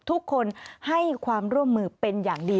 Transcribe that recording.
ทุกคนให้ความร่วมมือเป็นอย่างดี